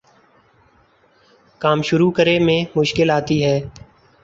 کام شروع کرے میں مشکل آتی ہے